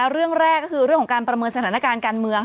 เรื่องแรกก็คือเรื่องของการประเมินสถานการณ์การเมือง